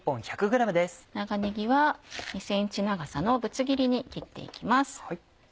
長ねぎは２ｃｍ長さのぶつ切りに切って行きます。